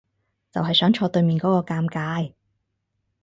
就係想坐對面嗰個尷尬